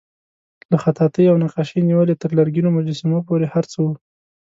له خطاطۍ او نقاشۍ نیولې تر لرګینو مجسمو پورې هر څه وو.